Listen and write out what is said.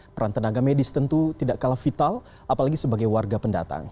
peran tenaga medis tentu tidak kalah vital apalagi sebagai warga pendatang